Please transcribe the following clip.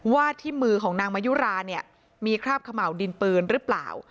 ว่าที่มือของนางมายุราเนี่ยมีคราบเขม่าวดินปืนหรือเปล่า